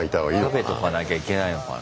食べとかなきゃいけないのかな。